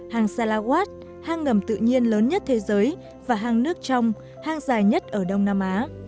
hàng salawas hang ngầm tự nhiên lớn nhất thế giới và hang nước trong hang dài nhất ở đông nam á